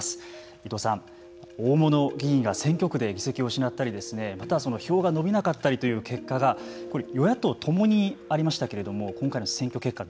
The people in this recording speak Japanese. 伊藤さん、大物議員が選挙区で議席を失ったりまた、票が伸びなかったりという結果が与野党ともにありましたけれども今回の選挙結果を